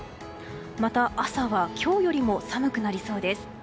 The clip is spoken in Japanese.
また、朝は今日よりも寒くなりそうです。